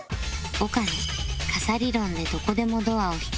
岡野傘理論でどこでもドアを引き当て